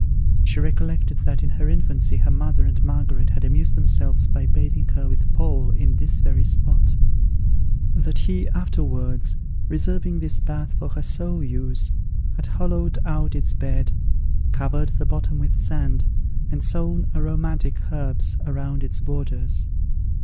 She recollected that in her infancy her mother and Margaret had amused themselves by bathing her with Paul in this very spot; that he afterwards, reserving this bath for her sole use, had hollowed out its bed, covered the bottom with sand, and sown aromatic herbs around its borders.